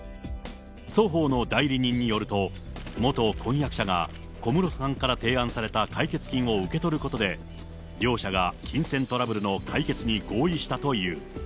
双方の代理人によると、元婚約者が小室さんから提案された解決金を受け取ることで、両者が金銭トラブルの解決に合意したという。